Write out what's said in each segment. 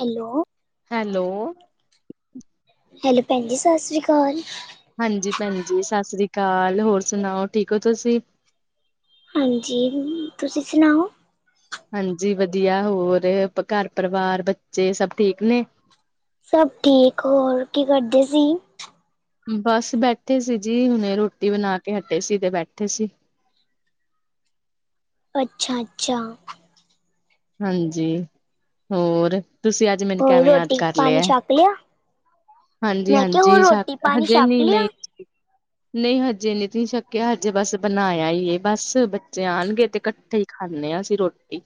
Hello. Hello. Hello ਭੈਣ ਜੀ, ਸਸ੍ਰੀ ਕਾਲ। ਹਂਜੀ ਭੈਣ ਜੀ, ਸਾਸ੍ਰੀ ਕਾਲ। ਹੋਰ ਸੁਣਾਓ, ਠੀਕ ਔ ਤੁਸੀਂ? ਹਾਂਜੀ, ਤੁਸੀਂ ਸੁਣਾਓ? ਹਾਂਜੀ ਵਧੀਆ, ਹੋਰ ਘਰ-ਪਰਿਵਾਰ, ਬੱਚੇ ਸਭ ਠੀਕ ਨੇ? ਸਭ ਠੀਕ, ਹੋਰ ਕੀ ਕਰਦੇ ਸੀ? ਬਸ ਬੈਠੇ ਸੀ ਜੀ। ਹੁਣੇ ਰੋਟੀ ਬਣਾ ਕੇ ਹਟੇ ਸੀ ਤੇ ਬੈਠੇ ਸੀ। ਅੱਛਾ, ਅੱਛਾ। ਹਾਂਜੀ, ਹੋਰ ਤੁਸੀਂ ਅੱ ਹੋਰ ਰੋਟੀ-ਪਾਣੀ ਛਕ ਲਿਆ? ਹਾਂਜੀ ਮੈਂ ਕਿਆ ਹੋਰ ਹਾਂਜੀ ਸ਼ੱਕ ਰੋਟੀ-ਪਾਣੀ ਹਜੇ ਛਕ ਨਹੀਂ ਲਿਆ? ਨਹੀਂ ਨਹੀਂ ਹਜੇ ਨੀ ਜੀ ਛੱਕਿਆ ਹਜੇ ਬਸ ਬਣਾਯਾ ਈ ਏ ਬਸ ਬੱਚੇ ਆਣਗੇ ਤੇ ਕੱਠੇ ਈ ਖਾਂਣੇ ਆਂ ਅਸੀਂ ਰੋਟੀ।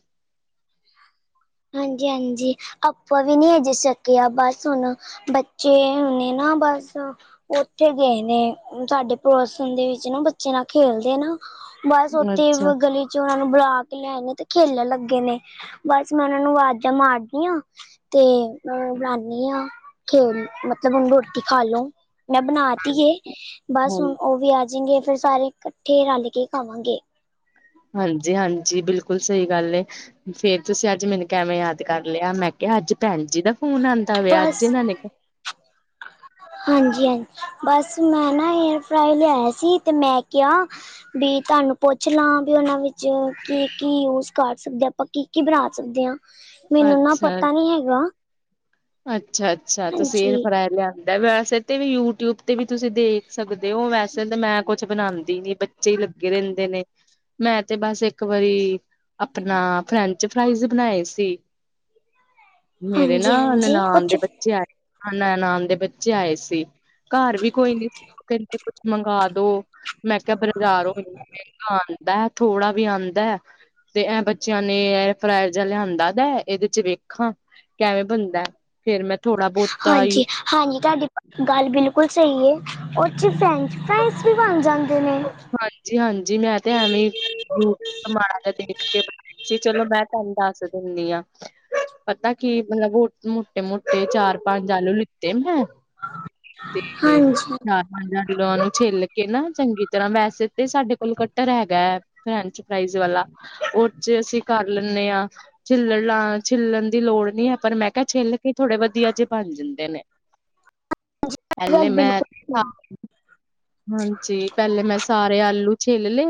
ਹਾਂਜੀ, ਹਾਂਜੀ, ਅਪਾਂ ਵੀ ਨੀ ਹਜੇ ਛਕਿਆ, ਬਸ ਹੁਣ ਬੱਚੇ ਹੁਣੇ ਨਾ ਬਸ ਓਥੇ ਗਏ ਨੇ ਸਾਡੇ ਪੜੋਸਣ ਦੇ ਵਿੱਚ ਨਾ ਬੱਚੇ ਨਾਲ ਖੇਲਦੇ ਐ ਨਾ ਬਸ ਓਥੇ ਅੱਛਾ ਵ ਗਲੀ ਚ ਓਨਾ ਨੂੰ ਬੁਲਾ ਕੇ ਲਿਆਏ ਨੇ ਤੇ ਖੇਲਣ ਲੱਗੇ ਨੇ, ਬਸ ਮੈਂ ਓਨਾ ਨੂੰ ਵਾਜ਼ਾਂ ਮਾਰਦੀ ਆਂ। ਤੇ ਮੈਂ ਓਨਾ ਨੂੰ ਬੁਲਾਣੀ ਆਂ, ਖੇਲ ਮਤਲਬ ਹੁਣ ਰੋਟੀ ਖਾਲੋ। ਮੈਂ ਬਣਾ ਤੀ ਏ ਬਸ ਹਾਂਜੀ ਹੁਣ ਓਹ ਵੀ ਆਜੇਗੇ ਫੇਰ ਸਾਰੇ ਕੱਠੇ ਰਲ ਕੇ ਖਾਵਾਂਗੇ। ਹਾਂਜੀ-ਹਾਂਜੀ, ਬਿਲਕੁਲ ਸਹੀ ਗੱਲ ਏ। ਫੇਰ ਤੁਸੀਂ ਅੱਜ ਮੈਨੂੰ ਕੈਵੇਂ ਯਾਦ ਕਰ ਲਿਆ? ਮੈਂ ਕਿਆ ਅੱਜ ਭੈਣ ਜੀ ਦਾ ਫੋਨ ਆਦਾ ਪਿਐ, ਅੱਜ ਇਨਾਂ ਨੇ ਕਿ ਹਾਂਜੀ-ਹਾਂਜੀ, ਬਸ ਮੈਂ ਨਾ ਏਅਰ ਫਰਾਈ ਲਿਆਇਆ ਸੀ ਤੇ ਮੈਂ ਕਿਆ ਵੀ, ਤੁਹਾਨੂੰ ਪੁੱਛ ਲਾਂ ਕਿ ਉਹਨਾਂ ਵਿੱਚ ਕੀ-ਕੀ ਯੂਜ਼ ਕਰ ਸਕਦੇ ਆ, ਆਪਾਂ ਕੀ-ਕੀ ਬਣਾ ਸਕਦੇ ਆ? ਮੈਨੂੰ ਨਾ ਪਤਾ ਨੀ ਹੈਗਾ। ਅੱਛਾ ਅੱਛਾ, ਤੁਸੀਂ ਹਾਂਜੀ ਏਅਰਫਰਾਏ ਲਿਆ ਵੈਸੇ ਤੇ ਵੀ ਯੂਟਿਊਬ ਤੇ ਵੀ ਤੁਸੀਂ ਦੇਖ ਸਕਦੇ ਔ, ਵੈਸੇ ਤੇ ਮੈਂ ਕੁਛ ਬਣਾਦੀ ਨੀ ਚੇ ਈ ਲੱਗੇ ਰਹਿੰਦੇ ਨੇ। ਮੈਂ ਤੇ ਬਸ ਇੱਕ ਵਾਰੀ ਆਪਣਾ ਫਰੈਂਚ -ਫਰਾਈਜ਼ ਬਣਾਏ ਸੀ। ਹ ਮੇਰੇ ਨਾ ਨਨਾਣ ਦੇ ਬੱਚੇ ਆਏ ਸੀ, ਨਾਨਾਮ ਦੇ ਬੱਚੇ ਆਏ ਸੀ। ਘਰ ਵੀ ਕੋਈ ਨੀ ਕਹਿੰਦੇ ਕੁਛ ਮੰਗਾ ਦੋ। ਮੈਂ ਕਿਹਾ, ਬਜ਼ਾਰੋਂ ਮੈਂ ਆਂਦਾ ਥੋੜ੍ਹਾ ਵੀ ਆਂਦਾ। ਤੇ ਇਹ ਬੱਚਿਆਂ ਨੇ ਇਅ ਫਿਰਾਏ ਜਿਹਾ ਲਿਆਂਦਾ, ਤਾਂ ਇਹਦੇ ਚ ਵੇਖਾਂ ਕਿਵੇਂ ਬਣਦਾ ਫੇਰ ਮੈਂ ਥੋੜ੍ਹਾ-ਬਹੁਤ। ਹਾਂਜੀ। ਹਾਂਜੀ, ਤੁਹਾਡੀ ਗੱਲ ਬਿਲਕੁਲ ਸਹੀ ਏ। ਉਹ 'ਚ ਫਰੈਂਚ ਫਰਾਈਜ਼ ਵੀ ਬਣ ਜਾਂਦੇ ਨੇ। ਹਾਂਜੀ, ਹਾਂਜੀ, ਮੈਂ ਤਾਂ ਐਵੇਂ ਮਾੜਾ ਜਿਹਾ ਦੇਖ ਕੇ ਬਣਾ ਆਂ। ਤੇ ਚਲੋ, ਮੈਂ ਤੁਹਾਨੂੰ ਦੱਸ ਦਿੰਨੀ ਆਂ। ਪਤਾ ਕੀ, ਮਤਲਬ ਮੋਟੇ-ਮੋਟੇ ਚਾਰ-ਪੰਜ ਆਲੂ ਲਿਤੇ ਮੈਂ। ਤੇ ਹਾਂਜੀ ਚਾਰ ਨੂੰ ਛਿੱਲ ਕੇ ਨਾ, ਚੰਗੀ ਤਰਾਂ, ਵੈਸੇ ਤਾਂ ਸਾਡੇ ਕੋਲ ਕਟਰ ਹੈਗਾ ਐ, ਫਰੈਂਚ ਫਰਾਈਜ਼ ਵਾਲਾ। ਉਹ 'ਚ ਅਸੀਂ ਕਰ ਲੈਂਨੇ ਆਂ। ਛਿੱਲਣ ਲਾ, ਛਿੱਲਣ ਦੀ ਲੋੜ ਨਹੀਂ ਏ, ਪਰ ਮੈਂ ਕਿਹਾ, ਛਿੱਲ ਕੇ ਥੋੜ੍ਹੇ ਵਧੀਆ ਜਿਹੇ ਬਣ ਜਾਂਦੇ ਨੇ। ਅੱ ਐਲੇ ਮੈਂ, ਆ, ਹਾਂਜੀ। ਪਹਿਲੇ ਮੈਂ ਸਾਰੇ ਆਲੂ ਛਿੱਲ ਲੇ।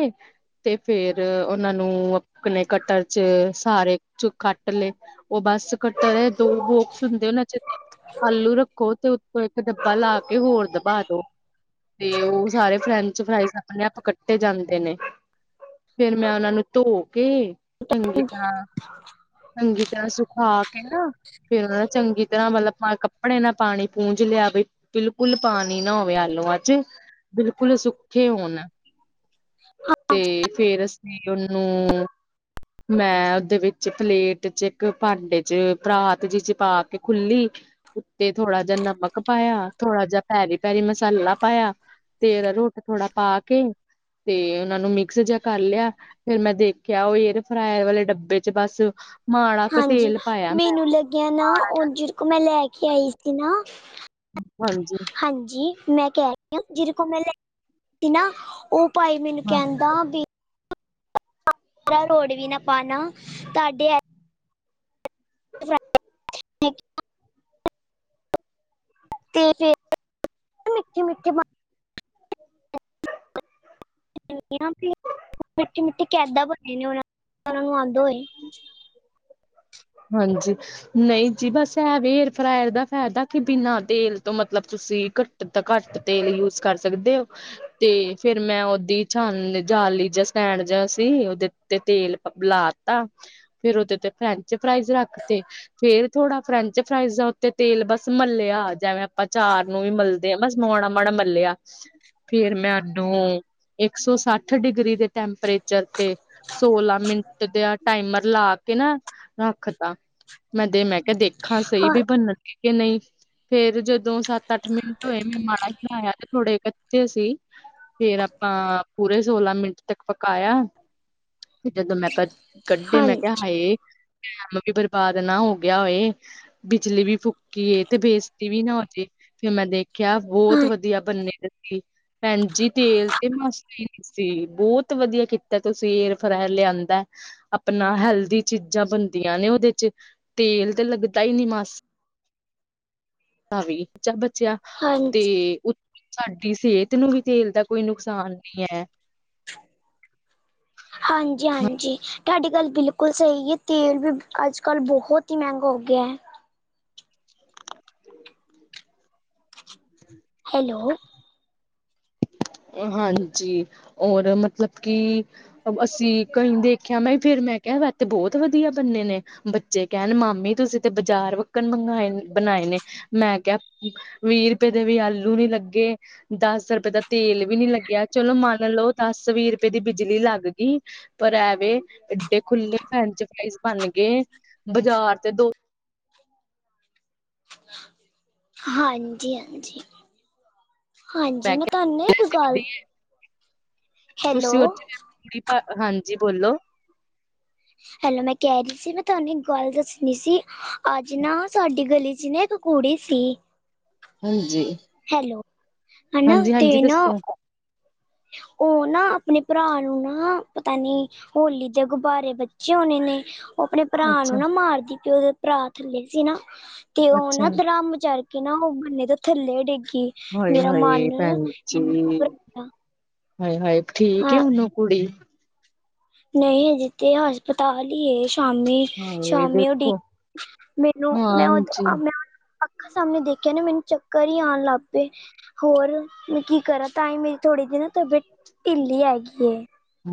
'ਤੇ ਫੇਰ ਉਨਾਂ ਨੂੰ ਅਪਨੇ ਕਟਰ 'ਚ ਸਾਰੇ ਜੁ ਕੱਟ ਲਏ। ਉਹ ਬੱਸ ਕੱਟਰ ਏ, ਦੋ ਬੋਕਸ ਹੁੰਦੇ ਉਨਾ 'ਚ। ਆਲੂ ਰੱਖੋ 'ਤੇ ਉੱਤੋਂ ਇੱਕ ਡੱਬਾ ਲਾ ਕੇ ਹੋਰ ਦਬਾ ਦੋ। 'ਤੇ ਉਹ ਸਾਰੇ ਫਰੈਂਡ। ਸਫਰਾਈਜ਼ ਆਪਨੇ ਆਪ ਕੱਟੇ ਜਾਂਦੇ ਨੇ, ਫੇਰ ਮੈਂ ਉਨਾਂ ਨੂੰ। ਧੋ ਕੇ, ਚੰਗੀ ਤਰਾਂ, ਚੰਗੀ ਤਰਾਂ ਸੁਖਾ ਕੇ ਨਾ। ਫੇਰ ਉਹ ਨੇ ਚੰਗੀ ਤਰਾਂ, ਮਤਲਬ ਪਾ ਕੱਪੜੇ ਨਾਲ ਪਾਨੀ ਪੂੰਝ ਲਿਆ ਬਈ। ਬਿਲਕੁਲ ਪਾਨੀ ਨਾ ਹੋਵੇ ਆਲੂਆ 'ਚ, ਬਿਲਕੁਲ ਸੁਕ ਕੇ ਹੋਨ, 'ਤੇ ਫੇਰ ਅਸੀਂ ਉਨੂੰ ਮੈਂ ਉਦੇ ਵਿੱਚ, ਪਲੇਟ ਚ, ਇੱਕ ਭਾਂਡੇ ਚ, ਪਰਾਤ ਚ ਪਾ ਕੇ ਖੁੱਲੀ। ਉੱਤੇ ਥੋੜਾ ਜੇਆ ਨਮਕ ਪਾਇਆ, ਥੋੜ੍ਹਾ ਜੇਆ ਭੈਰੀ-ਭੈਰੀ ਮਸਾਲਾ ਪਾਇਆ। 'ਤੇ ਫਿਰ ਰੂਟ ਥੋੜਾ ਪਾ ਕੇ, ਤੇ ਉਨਾਂ ਨੂੰ ਮਿਕਸ ਜੇਆ ਕਰ ਲਿਆ। ਫੇਰ ਮੈਂ ਦੇਖਿਆ, ਉਹ ਏਅਰ ਫਰਾਇਰ ਵਾਲੇ ਡੱਬੇ 'ਚ ਬਸ। ਮਾੜਾ ਕੁ ਹਾਂਜੀ, ਤੇਲ ਪਾਇਆ ਮੈਂ ਮੇਨੂੰ ਲੱਗਿਆ ਨਾ, ਓ ਜਿਦੇ ਕੋਲੋਂ ਮੈਂ ਲੈ ਕੇ ਆਈ ਸੀ ਨਾ। ਹਾਂਜੀ। ਹਾਂਜੀ, ਮੈਂ ਕੈਅ ਰੀ ਆ, ਜਿਦੇ ਕੋਲੋਂ ਮੈਂ ਲੈਕੇ ਆਈ ਸੀ ਨਾ, ਉਹ ਭਾਈ ਮੈਨੂੰ ਹਾਂ ਕੈਂਦਾ ਬਈ ਕਲ ਰੋਡ ਵੀ ਨਾ ਪਾਨਾ, ਤੁਹਾਡੇ ਐ [unintelligible] ਤੇ ਫਿਰ, ਅਹ ਮਿੱਠੇ-ਮਿੱਠੇ ਬ ਮਿੱਟੀ -ਮਿੱਟੀ ਕੈਦਾਂ ਬਣੇ ਨੇ ਉਹ, ਉਨਾਂ ਨੂੰ ਆਂਦੇ ਹੋਏ। ਹਾਂਜੀ। ਨਈਂ ਜੀ, ਬਸ ਐ ਵਏਰ ਫਰਾਇਰ ਦਾ ਫਾਇਦਾ ਕੀ, ਬਿਨਾਂ ਤੇਲ ਤੋਂ ਮਤਲਬ ਤੁਸੀਂ, ਘੱਟ ਤਾ ਘੱਟ ਤੇਲ ਯੂਸ ਕਰ ਸਕਦੇ ਓ। ਤੇ ਫੇਰ ਮੈਂ ਓਦੀ ਛਾਨ, ਜਾਲੀ ਜਾ ਸਟੈਂਡ ਜੇਆ ਸੀ, ਉਹਦੇ 'ਤੇ ਤੇਲ ਲਾਅ ਤਾ, ਫੇਰ ਓਦੇ 'ਤੇ ਫਰੈਂਚ ਫਰਾਈਜ਼ ਰੱਖ 'ਤੇ। ਫ਼ੇਰ ਥੋੜਾ ਫਰੈਂਚ ਫਰਾਈਜ਼ ਦਾ ਉੱਤੇ ਤੇਲ ਬਸ ਮਲਿਆ, ਜਿਵੇਂ ਆਪਾਂ ਚਾਰ ਨੂੰ ਵੀ ਮਲਦੇ। 'ਤੇ ਬਸ ਮੋਣਾ -ਮਾੜਾ ਮੱਲਿਆ। ਫਿਰ ਮੈਂ ਉਨੂੰ, ਇੱਕ ਸੌ ਸੱਠ ਡਿਗਰੀ ਦੇ ਟੈਂਪਰੇਚਰ 'ਤੇ ਸੋਲਾਂ ਮਿੰਟ ਦੇ ਆਹ ਟਾਈਮਰ ਲਾ ਕੇ ਨਾ, ਰੱਖ ਤਾਂ, ਮੈਂ ਦੇ ਮੈਂ ਕੇਆ ਦੇਖਾ ਸਹੀ ਹਾਂ ਵੀ ਬਨਨਗੇ ਕੇ, ਨਈ। ਫੇਰ ਜਦੋਂ ਸੱਤ -ਅੱਠ ਮਿੰਟ ਹੋਏ, ਮੈਂ ਮਾੜਾ ਖਾਇਆ 'ਤੇ ਥੋੜੇ ਕੱਚੇ ਸੀ। ਫੇਰ ਆਪਾਂ ਪੂਰੇ ਸੋਲਾਂ ਮਿੰਟ ਤੱਕ ਪਕਾਇਆ, 'ਤੇ ਜਦੋਂ ਮੈਂ ਕਚ ਕੱਢੇ ਮੈਂ ਕਿਹਾ, ਹਾਂਜੀ ਹਾਏ! ਲੋਕੀ ਬਰਬਾਦ ਨਾ ਹੋ ਗਿਆ ਹੋਏ। ਬਿਜਲੀ ਵੀ ਫੂਕੀਏ 'ਤੇ ਬੇਜ਼ਤੀ ਵੀ ਨਾ ਹੋ ਜੇ। ਫਿਰ ਮੈਂ ਦੇਖਿਆ ਬੋਤ ਹਾਂ ਵਦੀਆ ਬੰਨੇ ਦੇ ਸੀ, ਭੈਂਜੀ ਤੇਲ 'ਤੇ ਮਸ ਸੀ, ਬੋਤ ਵਦੀਆ ਕੀਤਾ ਤੁਸੀਂ ਏਅਰ ਫਰਾਏਅਰ ਲਿਆਂਦੈ। ਆਪਨਾ ਹੈਲਦੀ ਚੀਜ਼ਾਂ ਬਨਦੀਆਂ ਨੇ ਉਦੇ 'ਚ, ਤੇਲ 'ਤੇ ਲੱਗਦਾ ਈ ਨੀ ਮਸ ਭਾਵੀ ਚਾ ਬਚਿਆ 'ਤੇ ਹਾਂਜੀ ਉ ਸਾਡੀ ਸੇਹਤ ਨੂੰ ਵੀ ਤੇਲ ਦਾ ਕੋਈ ਨੁਕਸਾਨ ਨੀ ਐ। ਹਾਂਜੀ-ਹਾਂਜੀ, ਤੁਹਾਡੀ ਗੱਲ ਬਿਲਕੁਲ ਸਹੀ ਏ, ਤੇਲ ਵੀ ਅੱਜ-ਕੱਲ੍ਹ ਬੋਤ ਈ ਮੈਂਗਾ ਹੋ ਗਿਆ ਐ। [inaudible] ਹੈਲੋ! ਔਰ ਹਾਂਜੀ ਔਰ ਮਤਲਬ ਕਿ ਅਸੀਂ ਕਈ ਦੇਖਿਆ ਮੈਂ ਫੇਰ ਮੈਂ ਕਿਹਾ ਵੈਸੇ ਤੇ ਬਹੁਤ ਵਧੀਆ ਬਨੇ ਨੇ ਬੱਚੇ ਕਹਿਣ ਮਾਮੀ ਤੁਸੀਂ ਤੇ ਬਾਜ਼ਾਰ ਵੱਕਣ ਮੰਗਏ ਬਣਾਏ ਨੇ ਮੈਂ ਕਿਹਾ, ਵੀਹ ਰੁਪਏ ਦੇ ਵੀ ਆਲੂ ਨੀ ਲੱਗੇ ਦਸ ਰੁਪਏ ਦਾ, ਤੇਲ ਵੀ ਨੀ ਲੱਗਿਆ ਚਲੋ ਮੰਨ ਲਓ ਦਸ ਵੀਹ ਰੁਪਏ ਦੀ ਬਿਜਲੀ ਲੱਗ ਗਈ। ਪਰ ਐਵੇ ਏਡੇ ਖੁੱਲੇ ਫਰੈਂਚ ਫਰਾਇਜ ਬਣ ਗਏ ਬਾਜ਼ਾਰ ਤੇ ਦੋ, [inaudible] ਹਾਂਜੀ-ਹਾਂਜੀ। ਹਾਂਜੀ ਮੈਂ ਤੁਹਾਨੂੰ ਨਾ ਇੱਕ ਗੱਲ, ਕਿਹਾ ਹੈਲੋ ਤੁਸੀਂ ਉਥੇ ਦੇ, ਕੁੜੀ ਘਰ ਹਾਂਜੀ ਬੋਲੋ। ਹੈਲੋ ਮੈਂ ਕਹਿ ਰਹੀ ਸੀ ਮੈਂ ਤੁਹਾਨੂੰ ਇੱਕ ਗੱਲ ਦੱਸਣੀ ਸੀ ਅੱਜ ਨਾ ਸਾਡੀ ਗਲੀ ਚ ਨਾ ਇ ਕੁੜੀ ਸੀ, ਹਾਂਜੀ। ਹੈਲੋ, ਹਨਾ ਹਾਂਜੀ ਤੇ ਹਾਂਜੀ ਨਾ ਦੱਸੋ ਉਹ ਨਾ ਆਪਣੇ ਭਰਾ ਨੂੰ ਨਾ ਪਤਾ ਨੀ, ਹੋਲੀ ਦੇ ਗੁਬਾਰੇ ਬਚੇ ਹੋਣੇ ਨੇ ਉਹ ਆਪਣੇ ਭਰਾ ਨੂੰ ਅੱਛਾ ਨਾ ਮਾਰਦੀ ਪਓ ਭਰਾ ਥੱਲੇ ਸੀ ਨਾ ਤੇ ਉਹ ਨਾ ਅੱਛਾ ਦਰਾਮਚਾਰ ਕੇ ਨਾ ਉਹ ਬੰਨੇ ਦੇ ਥੱਲੇ ਡਿੱਗੀ ਹਾਏ ਮੇਰਾ ਹਾਏ ਮਨ ਇਨਾ [unintelligible] ਹਾਏ-ਹਾਏ ਠੀਕ ਏ ਹੁਣ ਉਹ ਕੁੜੀ, ਨਈ ਹਜੇ ਤੇ ਹਸਪਤਾਲ ਹੀ ਏ ਸ਼ਾਮੀ, ਹਾਏ ਸ਼ਾਮੀ ਓ ਡੀ, ਦੇਖੋ ਮੈਨੂੰ ਓ ਮੈ ਹਾਂਜੀ [unintelligible] ਅੱਖਾਂ ਸਾਹਮਣੇ ਦੇਖਿਆ ਨਾ ਮੈਨੂੰ ਚੱਕਰ ਹੀ ਆਣ ਲੱਗ ਪਏ। ਹੋਰ ਮੈਂ ਕੀ ਕਰਾਂ ਤਾਂਹੀ ਮੇਰੀ ਥੋੜੀ ਜੀ ਨਾ ਤਬੀਅਤ ਢਿੱਲੀ ਹੈਗੀ ਏ।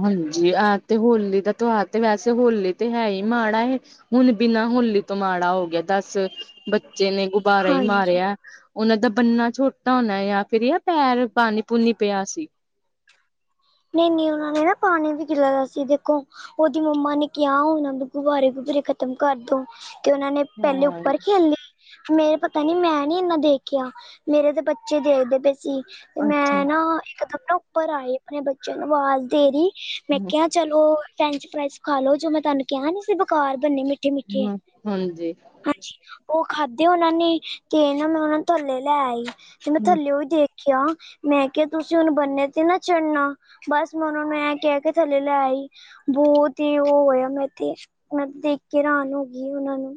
ਹਾਂਜੀ ਆਹ ਤੇ ਹੋਲੀ ਦਾ ਤਿਉਹਾਰ ਤੇ ਵੈਸੇ ਹੋਲੀ ਤੇ ਹੈ ਹੀ ਮਾੜਾ ਏ। ਹੁਣ ਬਿਨਾਂ ਹੋਲੀ ਤੋਂ ਮਾੜਾ ਹੋ ਗਿਆ ਦਸ ਬੱਚੇ ਨੇ ਗੁਬਾਰਾ ਹੀ ਹਾਂਜੀ ਮਾਰਿਆ। ਉਹਨਾਂ ਦਾ ਬੰਨਾ ਛੋਟਾ ਹੋਣਾ ਜਾਂ ਫਿਰ ਐ ਪੈਰ ਪਾਣੀ ਪੂਨੀ ਪਿਆ ਸੀ। ਨਈ-ਨਈ ਉਹਨਾ ਦੇ ਨਾ ਪਾਣੀ ਵੀ ਗਿਰਿਆ ਹੋਇਆ ਸੀ ਦੇਖੋ। ਉਹਦੀ ਮੰਮਾ ਨੇ ਕਿਹਾ ਹੋਣਾ ਵੀ ਗੁਬਾਰੇ ਗਬੁਰੇ ਖ਼ਤਮ ਕਰਦੋ। ਤੇ ਉਹਨਾਂ ਨੇ ਪਹਿਲੇ ਹਾਂ ਉੱਪਰ ਖੇਲੀ। ਮੇਰੇ ਪਤਾ ਨੀ ਮੈਂ ਨੀ ਇਨਾ ਦੇਖਿਆ ਮੇਰੇ ਤੇ ਬੱਚੇ ਦੇਖਦੇ ਪਏ ਸੀ। ਤੇ ਅੱਛਾ ਮੈਂ ਨਾ ਇੱਕ ਦਮ ਨਾ ਉੱਪਰ ਆਈ ਆਪਣੇ ਬੱਚਿਆਂ ਨੂੰ ਆਵਾਜ਼ ਦੇ ਰਹੀ, ਮੈਂ ਕਿਹਾ ਚਲੋ ਫਰੈਂਚ ਫਰਾਇਜ ਖਾਲ ਲੋ ਜੋ ਮੈਂ ਤੁਹਾਨੂੰ ਕਿਹਾ ਨੀ ਸੀ ਬੁਖਾਰ ਬੰਨੇ ਨੇ ਹ ਹਾਂਜੀ। ਹਾਂਜੀ, ਉਹ ਖਾਧੇ ਉਹਨਾਂ ਨੇ ਤੇ ਨਾ ਮੈਂ ਉਹਨਾਂ ਨੂੰ ਥੱਲੇ ਲੈ ਆਈ ਤੇ ਮੈਂ ਥੱਲੇ ਉਹ ਵੀ ਦੇਖ ਕਿਆ ਮੈਂ ਕਿਹਾ ਤੁਸੀਂ ਹੁਣ ਬੰਨੇ ਤੇ ਨਾ ਚਣਾ ਬਸ ਮੈਂ ਉਹਨਾਂ ਨੂੰ ਇਹ ਕੇ ਥੱਲੇ ਲੇ ਆਈ। ਬਹੁਤ ਹੀ ਉਹ ਹੋਇਆ ਮੈਂ ਤੇ ਮੈਂ ਦੇਖ ਕੇ ਹਰਾਨ ਹੋ ਗਈ ਉਹਨਾਂ ਨੂੰ।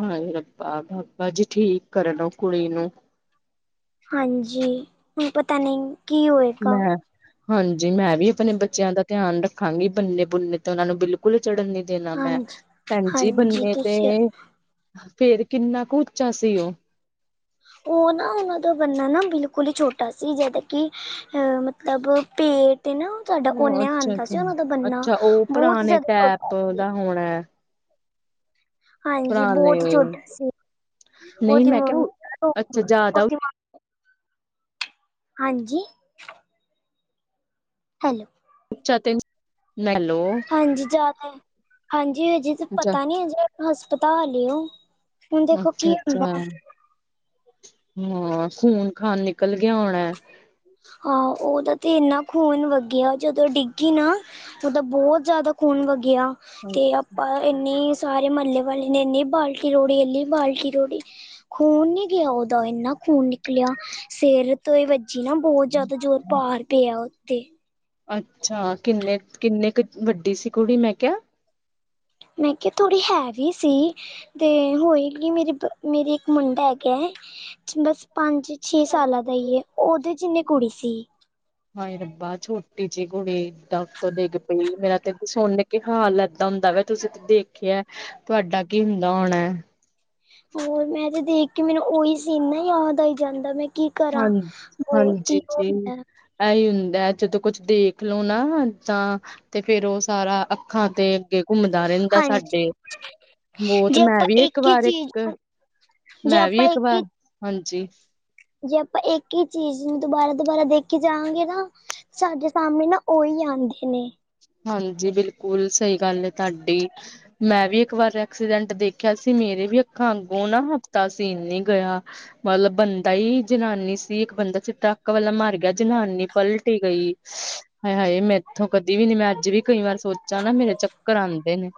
ਹਾਏ ਰੱਬਾ ਬਾਬਾ ਜੀ ਠੀਕ ਕਰਨ ਓਹ ਕੁੜੀ ਨੂੰ। ਹਾਂਜੀ, ਹੁਣ ਪਤਾ ਨਹੀਂ, ਕੀ ਹੋਏਗਾ ਮੈਂ, ਹਾਂਜੀ ਮੈਂ ਵੀ ਆਪਣੇ ਬੱਚਿਆਂ ਦਾ ਧਿਆਨ ਰੱਖਾਂਗੀ ਬੰਨੇ ਬੁਨੇ ਤੇ ਉਹਨਾਂ ਨੂੰ ਬਿਲਕੁਲ ਚੜ੍ਹਨ ਨਈ ਦੇਣਾ ਮੈਂ ਹਾਂਜੀ ਭੈਣ ਜੀ ਹਾਂਜੀ ਬੰਨੇ ਤੁਸੀਂ ਤੇ, ਫੇਰ ਕਿੰਨਾ ਕੁ ਉੱਚਾ ਸੀ ਉਹ ਉਹ ਨਾ ਉਹਨਾਂ ਦਾ ਬਨਾ ਨਾ ਬਿਲਕੁਲ ਹੀ ਛੋਟਾ ਸੀ, ਜਦੋਂ ਕਿ ਅਹ ਮਤਲ ਮਤਲਬ ਪੇਟ ਏ ਨਾ। ਤੁਹਾਡਾ ਹੂੰ ਓਨਿਆ ਅੱਛਾ ਆਉਂਦਾ ਅੱਛਾ ਸੀ ਉਹਨਾਂ ਦਾ ਬੰਨਾ ਅੱਛਾ ਉਹ ਬਹੁਤ ਪੁਰਾਣੇ ਜ਼ਿਆਦਾ ਛੋਟਾ ਟੈਪ ਸੀ। ਦਾ ਹੋਣਾ ਏ। ਹਾਂਜੀ ਬਹੁਤ ਈ ਛੋਟਾ ਸੀ, ਨਹੀਂ ਉਹਦੀ ਮੈਂ ਮੰਮੀ ਕਿਹਾ ਅੱਛਾ ਜ਼ਿਆਦਾ ਉਹਦੀ ਹਾਂਜੀ। ਹੈਲੋ। [unintelligible] ਲੈ ਲਓ ਹਾਂਜੀ ਜ਼ਿਆਦਾ, ਹਾਂਜੀ ਹਜੇ ਤੇ ਅੱਛਾ ਪਤਾ ਨੀ ਹਜੇ ਹਸਪਤਾਲ ਏ ਓਹ। ਹੁਣ ਦੇਖੋ ਕੀ ਅੱਛਾ ਹੁੰਦਾ। ਹਾਂ ਖੂਨ -ਖਾਾਨ ਨਿਕਲ ਗਿਆ ਹੋਣਾ। ਹਾਂ ਉਹਦਾ ਤਾਂ ਇੰਨਾ ਖੂਨ ਵੱਗਿਆ ਜਦੋਂ ਡਿੱਗੀ ਨਾ ਤੇ ਔਹਦਾ ਬਹੁਤ ਜ਼ਿਆਦਾ ਖੂਨ ਵਗਿਆ ਤੇ ਆਪ ਤਾ ਇੰਨੀ ਸਾਰੇ ਮਹੱਲੇ ਵਾਲੇ ਨੇ ਇੰਨੀ ਬਾਲਟੀ ਰੋੜੀ, ਇੰਨੀ ਬਾਲਟੀ ਰੋੜੀ ਖੂਨ ਨੀ ਗਿਆ, ਉਹਦਾ ਇੰਨਾ ਖੂਨ ਨਿਕਲਿਆ ਸਿਰ ਤੋਂ ਈ ਵੱਜੀ ਨਾ। ਬਹੁਤ ਜ਼ਿਆਦਾ ਜ਼ਰ ਭਾਰ ਪਿਆ ਆ ਉਦੇਤੇ। ਅੱਛਾ ਕਿੰਨੇ, ਕਿੰਨੇ ਕੁ ਵੱਡੀ ਸੀ ਕੁੜੀ ਮੈਂ ਕਿਹਾ। ਮੈਂ ਕਿਹਾ ਥੋੜ੍ਹੀ ਹੈਵੀ ਸੀ, ਤੇ ਹੋਏਗੀ ਮੇਰੀ ਬ ਮੇਰੇ ਇੱਕ ਮੁੰਡਾ ਹੈਗਾ ਬਸ ਪੰਜ ਛੇ ਸਾਲਾਂ ਦਾ ਈ ਏ, ਉਹਦੇ ਜਿੰਨੀ ਕੁੜੀ ਸੀ। ਹਾਏ ਰੱਬਾ ਛੋਟੀ ਜਿਹੀ ਕੁੜੀ ਕਿਦਾ ੳਤੋਂ ਡਿੱਗ ਪਈ ਮੇਰਾ ਤੇ ਸੁਣ ਕੀ ਹਾਲ ਏਦਾਂ ਹੁੰਦਾ ਵਾ ਤੁਸੀਂ ਤੇ ਦੇਖਿਆ ਤੁਹਾਡਾ ਕੀ ਹੁੰਦਾ ਹੋਣਾ। ਹੋਰ ਮੈਂ ਤੇ ਦੇਖ ਕੇ ਮੈਨੂੰ ਉਹੀ ਸੀਨ ਨਾ ਯਾਦ ਆਈ ਜਾਂਦਾ ਮੈਂ ਕੀ ਕਰਾ ਹਾਂ ਬਹੁਤ ਹਾਂਜੀ ਓਹ ਜੀ ਹੁੰਦਾ। ਇਹੀ ਹੁੰਦਾ ਐ ਜਦੋਂ ਕੁਛ ਦੇਖ ਲਓ ਨਾ ਤਾਂ ਤੇ ਫੇਰ ਉਹ ਸਾਰਾ ਅੱਖਾਂ ਤੇ ਅੱਗੇ ਘੁੰਮਦਾ ਰਹਿੰਦਾ ਹਾਂਜੀ ਸਾਡੇ। ਮੋਤ ਜੇ ਮੈਂ ਆਪਾਂ ਵੀ ਇੱਕ ਹੀ ਵਾਰ ਇੱਕ, ਚੀਜ਼ ਜੇ ਮੈਂ ਆਪਾਂ ਵੀ ਇੱਕ ਹੀ ਵਾਰ ਹਾਂਜੀ। ਜੇ ਆਪਾਂ ਇੱਕ ਈ ਚੀਜ਼ ਨੂੰ ਦੁਬਾਰਾ -ਦੁਬਾਰਾ ਦੇਖੀ ਜਾਂਵਾਗੇ ਨਾ। ਸਾਡੇ ਸਾਹਮਣੇ ਨਾ ਉਹੀ ਆਂਦੇ ਨੇ। ਹਾਂਜੀ ਬਿਲਕੁਲ ਸਹੀ ਗੱਲ ਐ ਤਾਡੀ। ਮੈਂ ਵੀ ਇੱਕ ਵਾਰ ਐਕਸੀਡੈਂਟ ਦੇਖਿਆ ਸੀ, ਮੇਰੇ ਵੀ ਅੱਖਾਂ ਅੱਗੋਂ ਨਾ ਹਫ਼ਤਾ ਸੀਨ ਨੀ ਗਿਆ। ਮਤਲਬ ਬੰਦਾ ਈ ਜਨਾਨੀ ਸੀ, ਇੱਕ ਬੰਦਾ ਸੀ ਟਰੱਕ ਵਾਲਾ ਮਾਰ ਗਿਆ, ਜਨਾਨੀ ਪਲਟ ਈ ਗਈ। ਹਾਏ, ਹਾਏ ਮੈਂ ਇੱਥੋਂ ਕਦੀ ਵੀ ਨੀ ਮੈਂ ਅੱਜ ਵੀ ਕਈ ਵਾਰ ਸੋਚਾਂ ਨਾ ਮੇਰੇ ਚੱਕਰ ਆਂਦੇ ਨੇ।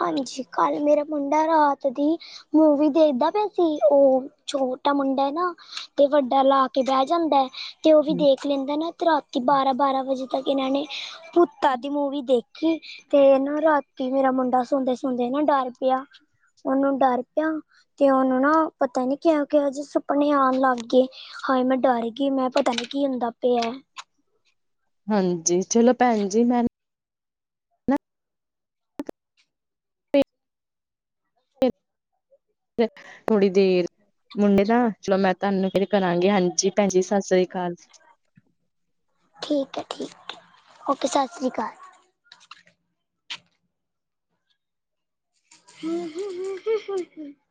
ਹਾਂਜੀ ਕੱਲ ਮੇਰਾ ਮੁੰਡਾ ਰਾਤ ਦੀ ਮੂਵੀ ਦੇਖਦਾ ਪਿਆ ਸੀ, ਉਹ ਛੋਟਾ ਮੁੰਡਾ ਐ ਨਾ, ਤੇ ਵੱਡਾ ਲਾ ਕੇ ਬਹਿ ਜਾਂਦਾ ਐ। ਤੇ ਉਹ ਵੀ ਦੇਖ ਲੈਂਦਾ ਨਾ ਤੇ ਰਾਤੀ ਬਾਰਾਂ- ਬਾਰਾਂ ਵਜੇ ਤੱਕ ਇਹਨਾਂ ਨੇ ਭੂਤ ਦੀ ਮੂਵੀ ਦੇਖੀ ਕਿ ਤੇ ਨਾ ਰਾਤੀ ਮੇਰਾ ਮੁੰਡਾ ਸੌਦੇ -ਸੁੰਦੇ ਨਾ ਡਰ ਪਿਆ। ਉਹਨੂੰ ਡਰ ਪਿਆ ਤੇ ਉਹਨੂੰ ਨਾ ਪਤਾ ਨੀ ਕਿਹ -ਕਿਹੋ ਜਿ ਸੁਪਨੇ ਆਣ ਲੱਗ ਗਏ। ਹਾਏ ਮੈਂ ਡਰ ਗਈ ਮੈਂ ਪਤਾ ਨੀ ਕੀ ਹੁੰਦਾ ਪਿਆ। ਹਾਂਜੀ ਚਲੋ ਭੈਣ ਜੀ ਮੈਂ ਥੋੜੀ ਦੇਰ ਮੁੰਡੇ ਦਾ ਚਲੋ ਮੈਂ ਤੁਹਾਨੂੰ ਕਰਾਂਗੇ ਹਾਂਜੀ, ਭੈਣ ਜੀ ਸਸਰੀ ਕਾਲ। ਠੀਕ ਐ, ਠੀਕ ਐ, ਓਕੇ ਸਸਰੀ ਕਾਲ। [unintelligible]